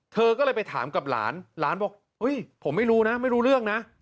เธอก็เลยไปถามกับหลานหลานบอกผมไม่รู้นะไม่รู้เรื่องนะ